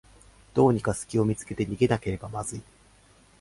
どうにかすきを見つけて逃げなければまずい